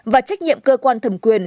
và trách nhiệm cơ quan thẩm quyền